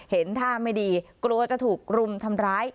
เห็นท่าไม่ดีกลัวจะถูกรุมทำร้าย